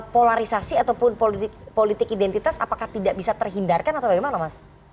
polarisasi ataupun politik identitas apakah tidak bisa terhindarkan atau bagaimana mas